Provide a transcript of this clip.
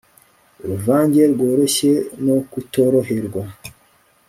Uruvange rworoshye no kutoroherwa